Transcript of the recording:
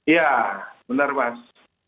iya benar mas